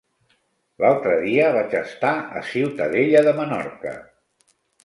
L'altre dia vaig estar a Ciutadella de Menorca.